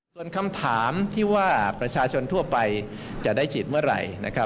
ส่วนคำถามที่ว่าประชาชนทั่วไปจะได้ฉีดเมื่อไหร่